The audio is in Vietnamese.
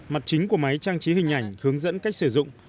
mặt chính của máy trang trí hình ảnh hướng dẫn cách sử dụng